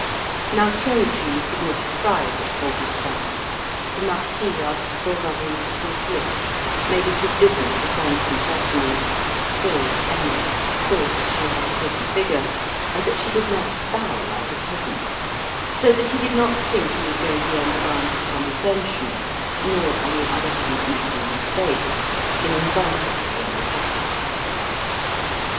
Now cherry trees did not thrive at Vaubyessard; the Marquis asked Bovary for some slips; made it his business to thank his personally; saw Emma; thought she had a pretty figure, and that she did not bow like a peasant; so that he did not think he was going beyond the bounds of condescension, nor, on the other hand, making a mistake, in inviting the young couple.